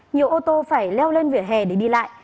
nhiều ô tô phải leo lên vỉa hè để đi lại